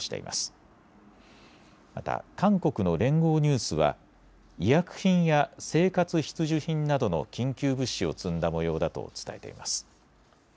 また韓国の連合ニュースは医薬品や生活必需品などの緊急物資を積んだもようだと伝えています。